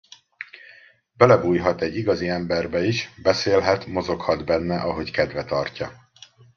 Belebújhat egy igazi emberbe is, beszélhet, mozoghat benne ahogy kedve tartja.